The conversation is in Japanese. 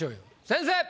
先生！